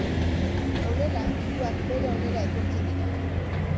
Honela, suak bere onera etortzen dira.